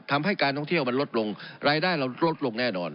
ทำให้การท่องเที่ยวมันลดลงรายได้เราลดลงแน่นอน